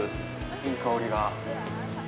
いい香りが。